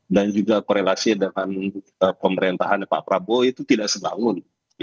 dan juga korelasi dengan pemerintahan pak prabowo itu tidak sebangun